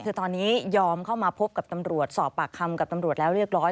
คือตอนนี้ยอมเข้ามาพบกับตำรวจสอบปากคำกับตำรวจแล้วเรียบร้อย